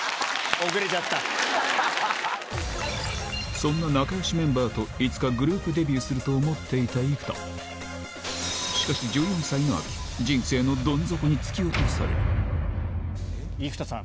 そんな仲良しメンバーといつかグループデビューすると思っていた生田しかし１４歳の秋人生のどん底に突き落とされる生田さん。